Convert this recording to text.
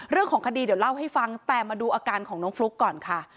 เรื่องของคดีเดี๋ยวเล่าให้ฟังแต่มาดูอาการของน้องฟลุ๊กก่อนค่ะ